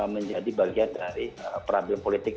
menjadi bagian dari perabil politik